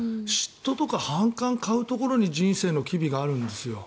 嫉妬とか反感を買うところに人生の機微があるんですよ。